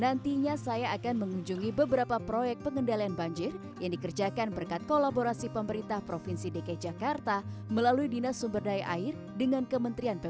nantinya saya akan mengunjungi beberapa proyek pengendalian banjir yang dikerjakan berkat kolaborasi pemerintah provinsi dki jakarta melalui dinas sumber daya air dengan kementerian pp